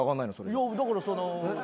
いやだからその。